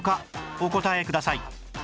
お答えください